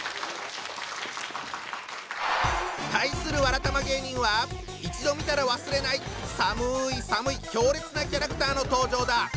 対するわらたま芸人は一度見たら忘れない寒い寒い強烈なキャラクターの登場だ！